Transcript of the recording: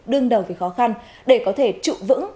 đương đầu với khó khăn để có thể trụ vững